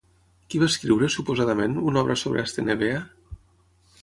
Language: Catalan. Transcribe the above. Qui va escriure, suposadament, una obra sobre Estenebea?